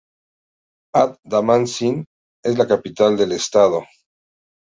Ad-Damazin es la capital del Estado.